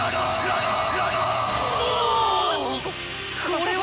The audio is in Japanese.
ここれは！